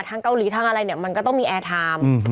ทั้งเกาหลีทั้งอะไรเนี้ยมันต้องมีแอร์ไทม์